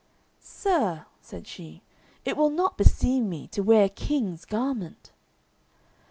"Sir," said she, "it will not beseem me to wear a king's garment."